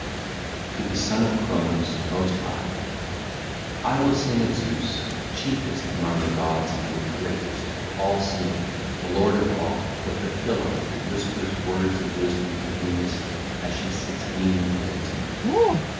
XXIII. TO THE SON OF CRONOS, MOST HIGH (ll. 1 3) I will sing of Zeus, chiefest among the gods and greatest, all seeing, the lord of all, the fulfiller who whispers words of wisdom to Themis as she sits leaning towards him.